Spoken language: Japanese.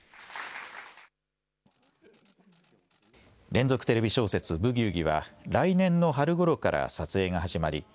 連続テレビ小説、ブギウギは来年の春ごろから撮影が始まり